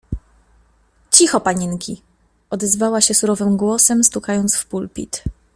— Cicho, panienki! — odezwała się surowym głosem, stukając w pulpit.